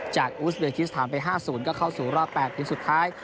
อูสเบคิสถานไป๕๐ก็เข้าสู่รอบ๘ทีมสุดท้าย